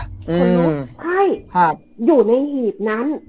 ใช่อยู่ในหีบนั้น